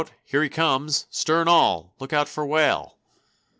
Here he comes! Stern all! Look out for whale!"